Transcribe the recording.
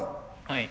はい。